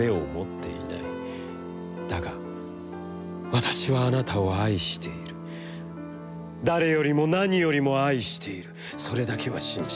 だが、私はあなたを愛している、誰よりも、何よりも、愛している、それだけは信じてくれ。